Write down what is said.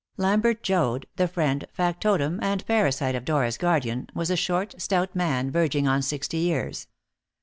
Lambert Joad, the friend, factotum, and parasite of Dora's guardian, was a short, stout man verging on sixty years.